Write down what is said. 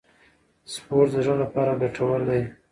سپورت د زړه لپاره ګټور دی.